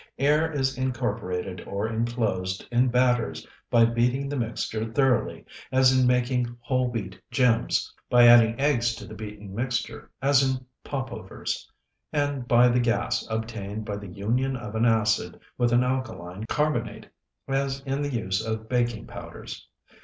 Air is incorporated or enclosed in batters by beating the mixture thoroughly, as in making whole wheat gems; by adding eggs to the beaten mixture, as in popovers; and by the gas obtained by the union of an acid with an alkaline carbonate, as in the use of baking powders.